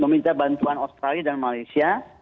meminta bantuan australia dan malaysia